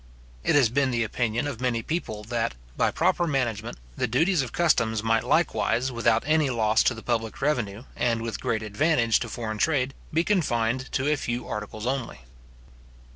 It has been the opinion of many people, that, by proper management, the duties of customs might likewise, without any loss to the public revenue, and with great advantage to foreign trade, be confined to a few articles only.